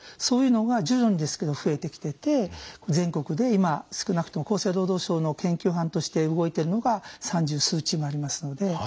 そういうのが徐々にですけど増えてきてて全国で今少なくとも厚生労働省の研究班として動いてるのが三十数チームありますので。